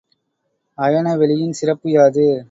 அயன வெளியின் சிறப்பு யாது?